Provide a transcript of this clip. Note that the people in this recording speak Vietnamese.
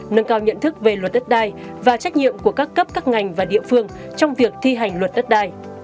nâng cao nhận thức về luật đất đai và trách nhiệm của các cấp các ngành và địa phương trong việc thi hành luật đất đai